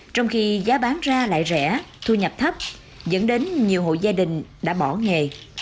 trong khi giá bán ra lại rẻ thu nhập thấp dẫn đến nhiều hộ gia đình đã bỏ nghề